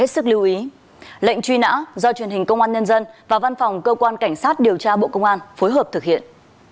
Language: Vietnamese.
lệnh truy nã do truyền hình công an nhân dân và văn phòng cơ quan cảnh sát điều tra bộ công an phối hợp thực hiện